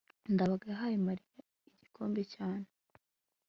ndabaga yahaye mariya igikombe cyane